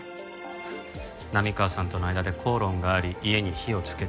波川さんとの間で口論があり家に火をつけた。